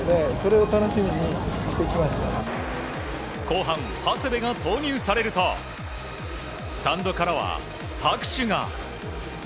後半、長谷部が投入されるとスタンドからは拍手が。